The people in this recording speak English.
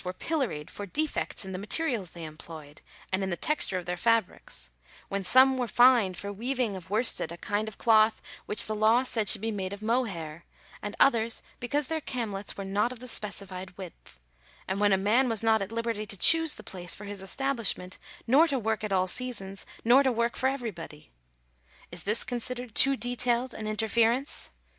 285 were pilloried for defects in the materials they employed, and in the texture of their fabrics ; when some were fined for weav ing of worsted a kind of cloth which the law said should be made of mohair, and others because their camlets were not of the specified width ; and when a man was not at liberty to choose the place for his establishment, nor to work at all seasons, nor to work for everybody. Is this considered too detailed an in terference